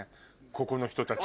ここの人たち。